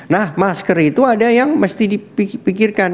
nah masker itu ada yang mesti dipikirkan